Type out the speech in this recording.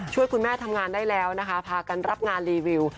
ช่วยคุณแม่ทำงานได้แล้วนะคะพากันรับงานรีวิว